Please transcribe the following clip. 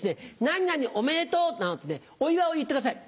「何々おめでとう」などとお祝いを言ってください。